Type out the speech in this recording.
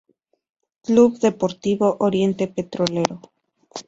Club Deportivo Oriente Petrolero